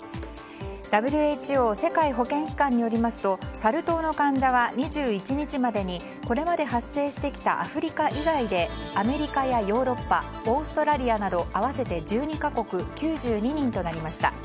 ＷＨＯ・世界保健機関によりますとサル痘の患者は２１日までにこれまで発生してきたアフリカ以外でアメリカやヨーロッパオーストラリアなど合わせて１２か国９２人となりました。